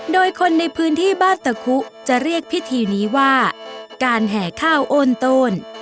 โดยคนในพื้นที่บ้านตะคุจะเรียกพิธีนี้ว่าการแห่ข้าวโอนโตน